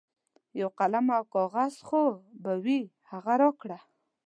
یو قلم او کاغذ خو به وي هغه راکړه.